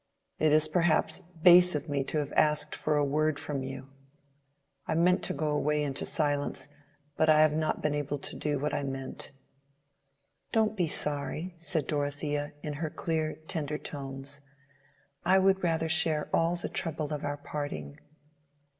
It is perhaps base of me to have asked for a word from you. I meant to go away into silence, but I have not been able to do what I meant." "Don't be sorry," said Dorothea, in her clear tender tones. "I would rather share all the trouble of our parting."